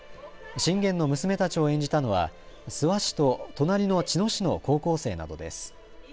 信玄の娘たちを演じたのは諏訪市と隣の茅野市の高校生などです。